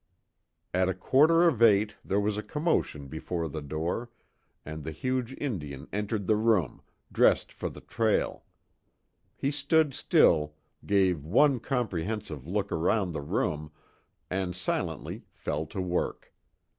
At a quarter of eight there was a commotion before the door, and the huge Indian entered the room, dressed for the trail. He stood still, gave one comprehensive look around the room, and silently fell to work.